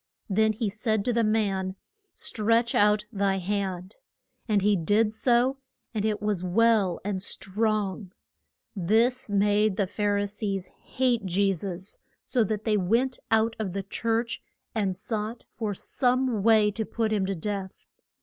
Then he said to the man, Stretch out thy hand. And he did so, and it was well and strong. This made the Phar i sees hate Je sus, so that they went out of the church and sought for some way to put him to death.